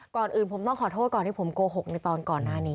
ก่อนอื่นผมต้องขอโทษก่อนที่ผมโกหกในตอนก่อนหน้านี้